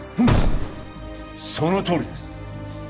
そのとおりです